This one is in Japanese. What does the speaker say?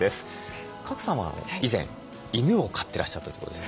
賀来さんは以前犬を飼ってらっしゃったということで。